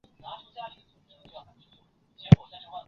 从此丝绸就在这里扎根了。